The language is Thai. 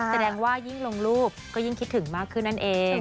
แสดงว่ายิ่งลงรูปก็ยิ่งคิดถึงมากขึ้นนั่นเอง